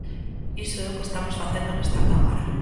Iso é o que estamos facendo nesta Cámara.